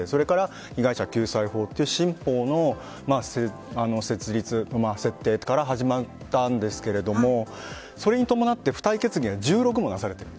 被害者救済法という新法の設立、設定から始まったんですがそれに伴って付帯決議は１６も出されている。